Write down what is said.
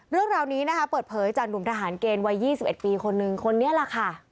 เรื่องราวนี้นะคะเปิดเผยจากหนุ่มทหารเกณฑ์วัย๒๑ปีคนนึงคนนี้แหละค่ะ